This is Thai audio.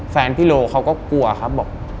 แฟนพี่โลเขาก็กลัวครับบอก